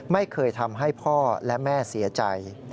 ไม่เคยทำให้พ่อและแม่เสียใจ